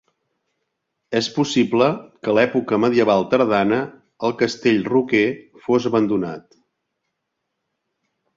És possible que a l'època medieval tardana, el castell roquer fos abandonat.